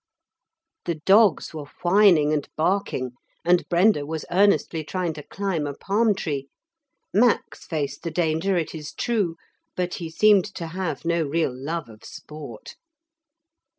The dogs were whining and barking, and Brenda was earnestly trying to climb a palm tree. Max faced the danger, it is true, but he seemed to have no real love of sport.